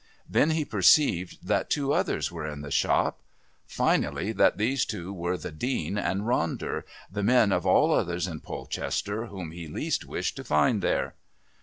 Then he perceived that two others were in the shop; finally, that these two were the Dean and Ronder, the men of all others in Polchester whom he least wished to find there.